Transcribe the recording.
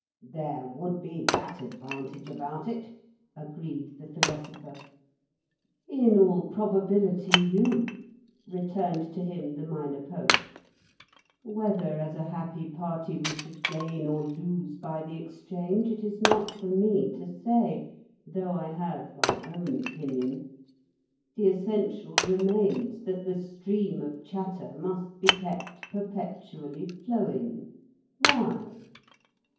"There would be that advantage about it," agreed the Philosopher. "In all probability, you," returned to him the Minor Poet. "Whether as a happy party we should gain or lose by the exchange, it is not for me to say, though I have my own opinion. The essential remains—that the stream of chatter must be kept perpetually flowing. Why?"